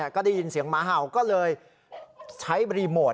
ก็ได้ยินเสียงหมาเห่าก็เลยใช้รีโมท